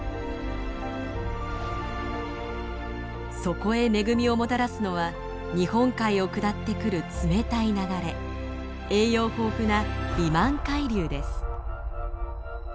そこへ恵みをもたらすのは日本海を下ってくる冷たい流れ栄養豊富なリマン海流です。